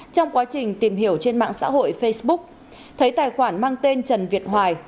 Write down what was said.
trong quá trình tìm hiểu trên mạng xã hội facebook thấy tài khoản mang tên trần việt hoài